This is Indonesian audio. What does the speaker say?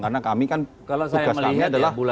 karena kami kan tugas kami adalah